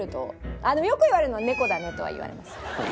あのよく言われるのは「猫だね」とは言われます。